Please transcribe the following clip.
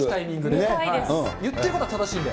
言ってることは正しいんで。